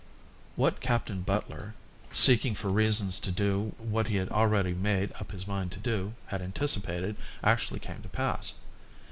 What Captain Butler, seeking for reasons to do what he had already made up his mind to, had anticipated, actually came to pass.